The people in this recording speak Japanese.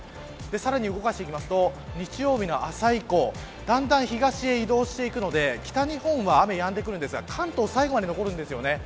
さらに動かしていきますと日曜日の朝以降だんだん東に移動してくるので北日本は雨がやんできますが関東は最後まで残るんですよね。